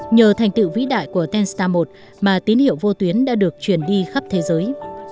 nhờ thành tựu vĩ đại của tenstar một mà tín hiệu vô tuyến đã được truyền đi khắp thế giới